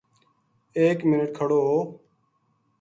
ایک منٹ کھڑو ہو